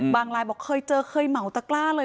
ไลน์บอกเคยเจอเคยเหมาตะกล้าเลย